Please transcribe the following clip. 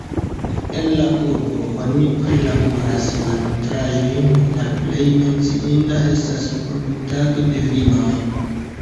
En la urbo oni prilaboras la nutraĵojn, la plej menciinda estas produktado de vinoj.